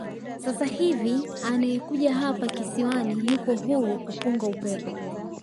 Sasa hivi anayekuja hapa kisiwani yupo huru kupunga upepo